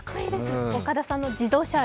岡田さんの自動車愛